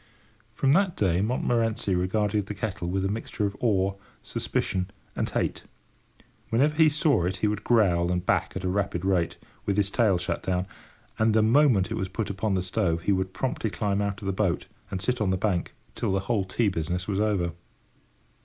From that day Montmorency regarded the kettle with a mixture of awe, suspicion, and hate. Whenever he saw it he would growl and back at a rapid rate, with his tail shut down, and the moment it was put upon the stove he would promptly climb out of the boat, and sit on the bank, till the whole tea business was over.